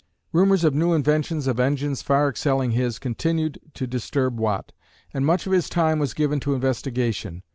Rumors of new inventions of engines far excelling his continued to disturb Watt, and much of his time was given to investigation.